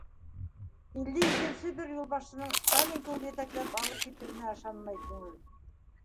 Илде икенсе бер юлбашсының Сталин кеүек етәкләп алып китеренә ышанмай күңел.